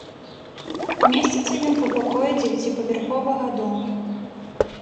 Месціцца ён у пакоі дзевяціпавярховага дома.